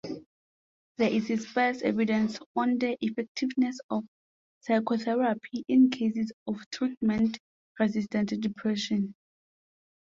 There is sparse evidence on the effectiveness of psychotherapy in cases of treatment-resistant depression.